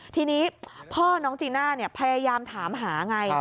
ทีนี้พ่อน้องจีน่าพยายามถามหาไง